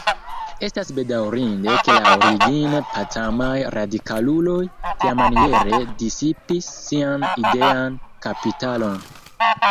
Estas bedaŭrinde, ke la origine pacamaj radikaluloj tiamaniere disipis sian idean kapitalon.